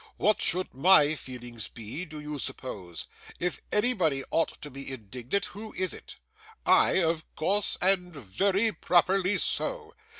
What should my feelings be, do you suppose? If anybody ought to be indignant, who is it? I, of course, and very properly so.